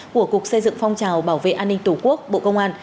của cục xây dựng phong trào bảo vệ an ninh tổ quốc bộ công an